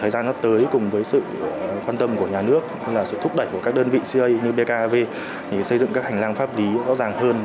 đối cùng với sự quan tâm của nhà nước sự thúc đẩy của các đơn vị cia như bkav xây dựng các hành lang pháp lý rõ ràng hơn